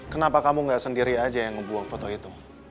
kenapa kamu nggak sendiri aja yang ngebuang foto itu